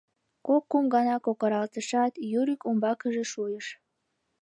Кок-кум гана кокыралтышат, Юрик умбакыже шуйыш: